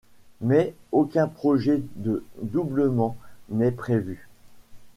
Mais aucun projet de doublement n'est prévu.